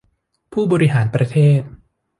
ผู้บริหารประเทศ